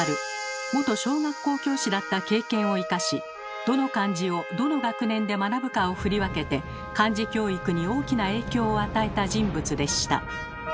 元小学校教師だった経験を生かしどの漢字をどの学年で学ぶかを振り分けて漢字教育に大きな影響を与えた人物でした。